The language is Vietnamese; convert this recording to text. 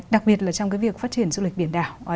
đặc biệt là trong cái việc phát triển du lịch biển đảo